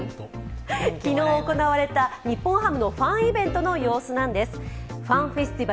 昨日行われた日本ハムのファンイベントの様子です。